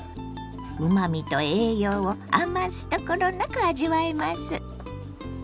うまみと栄養を余すところなく味わえます。